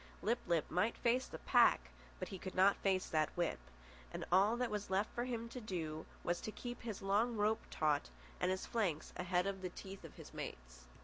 Lip lip might face the pack, but he could not face that whip, and all that was left him to do was to keep his long rope taut and his flanks ahead of the teeth of his mates.